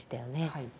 はい。